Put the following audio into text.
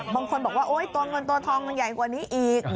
บางคนบอกว่าโอ๊ยตัวเงินตัวทองมันใหญ่กว่านี้อีก